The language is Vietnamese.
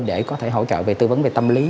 để có thể hỗ trợ về tư vấn về tâm lý